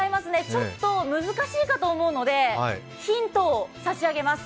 ちょっと難しいと思うのでヒントを差し上げます。